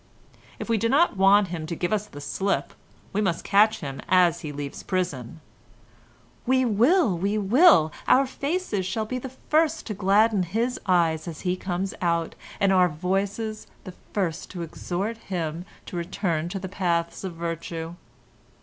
"If we do not want him to give us the slip we must catch him as he leaves prison." "We will, we will; our faces shall be the first to gladden his eyes as he comes out, and our voices the first to exhort him to return to the paths of virtue."